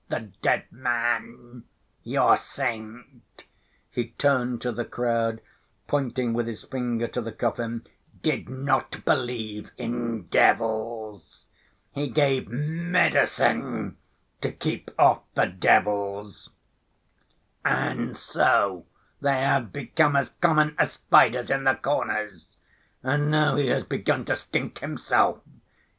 The dead man, your saint," he turned to the crowd, pointing with his finger to the coffin, "did not believe in devils. He gave medicine to keep off the devils. And so they have become as common as spiders in the corners. And now he has begun to stink himself.